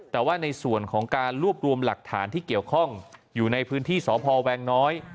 แต่ว่าในส่วนของการรวบรวมหลักฐานที่เกี่ยวข้องอยู่ในพื้นที่สพแวงน้อย